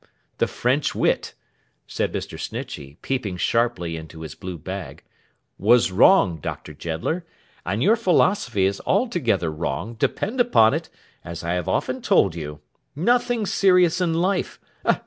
'The French wit,' said Mr. Snitchey, peeping sharply into his blue bag, 'was wrong, Doctor Jeddler, and your philosophy is altogether wrong, depend upon it, as I have often told you. Nothing serious in life!